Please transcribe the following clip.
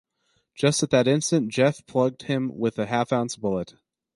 Just at that instant Jeff plugged him with a half-ounce bullet.